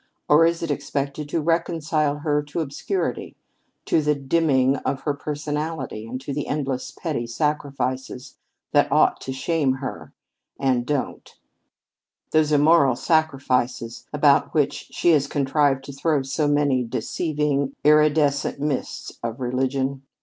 Or is it expected to reconcile her to obscurity, to the dimming of her personality, and to the endless petty sacrifices that ought to shame her and don't those immoral sacrifices about which she has contrived to throw so many deceiving, iridescent mists of religion?